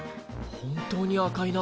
本当に赤いな。